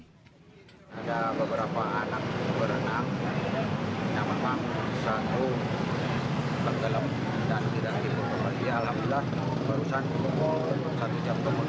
sekolah satu jam kemudian bisa ditemukan dalam barang